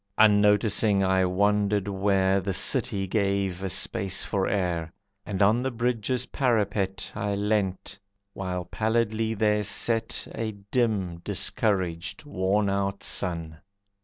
Unnoticing, I wandered where The city gave a space for air, And on the bridge's parapet I leant, while pallidly there set A dim, discouraged, worn out sun.